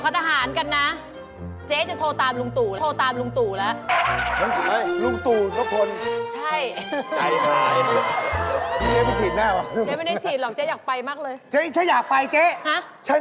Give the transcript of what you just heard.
โอ้โฮหลงฝั่ง